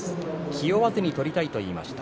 気負わずに取りたいと言っていました。